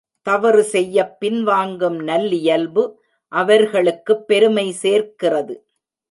தவறு செய்யப் பின்வாங்கும் நல்லியல்பு அவர்களுக்குப் பெருமை சேர்க்கிறது.